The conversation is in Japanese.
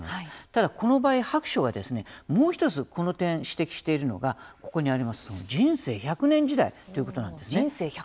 ただ、この場合白書がもう１つこの点指摘しているのがここにあります人生１００年時代ということなんです。